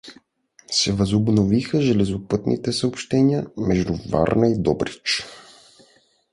се възобновиха железопътните съобщения между Варна и Добрич.